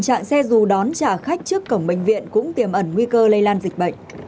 mặc dù đón trả khách trước cổng bệnh viện cũng tiềm ẩn nguy cơ lây lan dịch bệnh